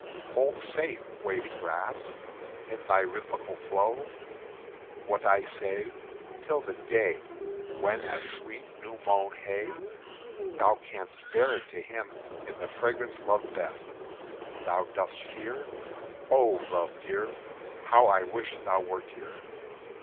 Hold safe, waving grass, in thy rhythmical flow, What I say, Till the day When as sweet new mown hay Thou can'st bear it to him in the fragrance loved best. Thou dost fear? Oh, love dear, How I wish thou wert here!